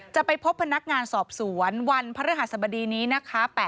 จะไปพบพนักงานสอบสวนวันพระฤหัสบดีนี้นะคะ